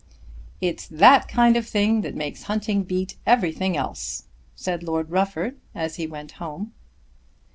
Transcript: "It's that kind of thing that makes hunting beat everything else," said Lord Rufford, as he went home.